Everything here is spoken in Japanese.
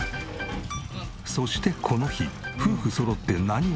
そしてこの日夫婦そろって何をするのか？